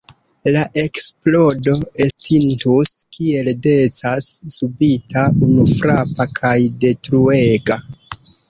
La eksplodo estintus – kiel decas – subita, unufrapa kaj detruega.